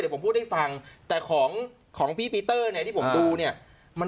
เดี๋ยวผมพูดให้ฟังแต่ของของพี่ปีเตอร์ในที่ผมดูเนี่ยมัน